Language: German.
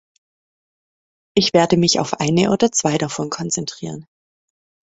Ich werde mich auf eine oder zwei davon konzentrieren.